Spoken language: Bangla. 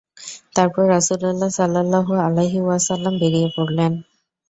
তারপর রাসূলুল্লাহ সাল্লাল্লাহু আলাইহি ওয়াসাল্লাম বেরিয়ে পড়লেন।